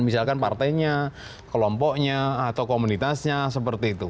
misalkan partainya kelompoknya atau komunitasnya seperti itu